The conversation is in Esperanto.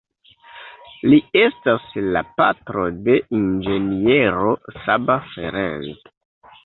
Li estas la patro de inĝeniero Csaba Ferencz.